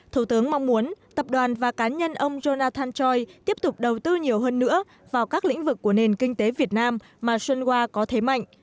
thủ tướng mong muốn tập đoàn và cá nhân ông jonathan choi tiếp tục đầu tư nhiều hơn nữa vào các lĩnh vực của nền kinh tế việt nam mà sunwa có thế mạnh